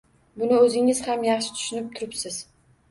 Buni o‘zingiz ham yaxshi tushunib turibsiz.